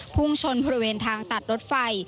พุ่งชนบริเวณทางตัดรถไฟ